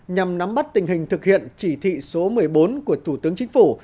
nhằm nắm bắt tình hình thực hiện chỉ thị số một mươi bốn của thủ tướng chính phủ